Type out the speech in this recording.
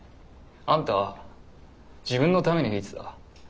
あんたは自分のために弾いてた。